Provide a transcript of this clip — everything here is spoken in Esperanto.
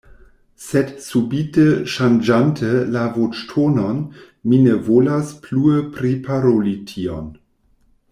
Sed subite ŝanĝante la voĉtonon mi ne volas plue priparoli tion.